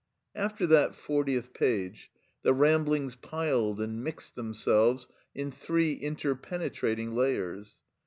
After that fortieth page the Ramblings piled and mixed themselves in three interpenetrating layers.